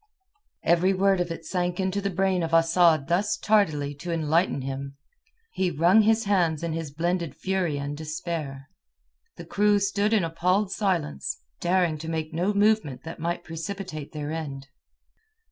Every word of it sank into the brain of Asad thus tardily to enlighten him. He wrung his hands in his blended fury and despair. The crew stood in appalled silence, daring to make no movement that might precipitate their end.